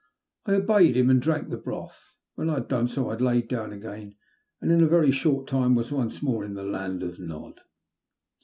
I obeyed him, and drank the broth. When I had done so I laid down again, and in a veiy short time was once more in the Land of Nod.